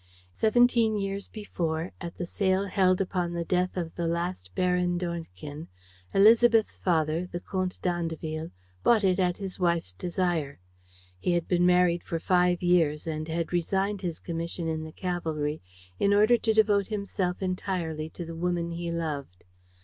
Seventeen years before, at the sale held upon the death of the last Baron d'Ornequin, Élisabeth's father, the Comte d'Andeville, bought it at his wife's desire. He had been married for five years and had resigned his commission in the cavalry in order to devote himself entirely to the woman he loved.